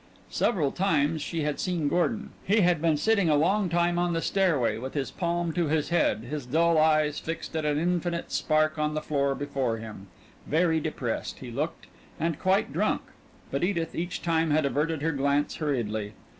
Several times she had seen Gordon he had been sitting a long time on the stairway with his palm to his head, his dull eyes fixed at an infinite spark on the floor before him, very depressed, he looked, and quite drunk but Edith each time had averted her glance hurriedly.